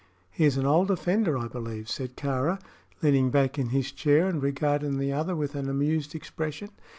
"He is an old offender, I believe," said Kāra, leaning back in his chair and regarding the other with an amused expression.